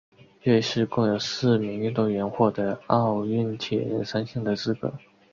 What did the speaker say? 瑞士共有四名运动员获得奥运铁人三项的资格。